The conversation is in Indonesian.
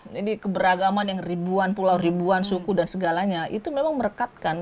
jadi keberagaman yang ribuan pulau ribuan suku dan segalanya itu memang merekatkan